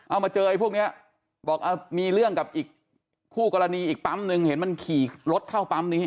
เอามาเจอไอ้พวกนี้บอกมีเรื่องกับอีกคู่กรณีอีกปั๊มหนึ่งเห็นมันขี่รถเข้าปั๊มนี้